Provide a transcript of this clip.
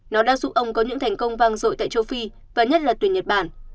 nó đã giúp ông có những thành công vang rội tại châu phi và nhất là tuyển nhật bản